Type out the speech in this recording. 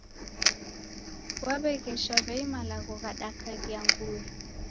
Waw'eghesha w'ei malagho ghadaka ghianguye